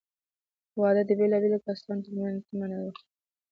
واده د بېلابېلو کاسټانو تر منځ منع وو.